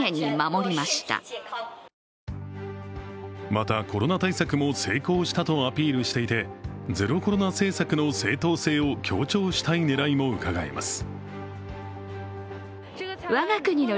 また、コロナ対策も成功したとアピールしていてゼロコロナ政策の正当性を強調したい狙いもうかがえます。